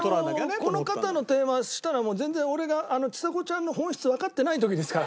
この肩の手回したのはもう全然俺がちさ子ちゃんの本質わかってない時ですから。